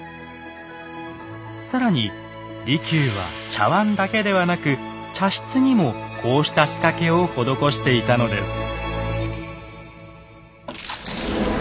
更に利休は茶碗だけではなく茶室にもこうした仕掛けを施していたのです。